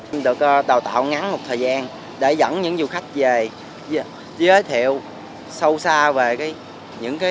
em được đào tạo ngắn một thời gian để dẫn những du khách về giới thiệu sâu xa về những cái đặc trưng ở bên quê hương của em